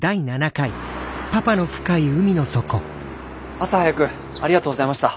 朝早くありがとうございました。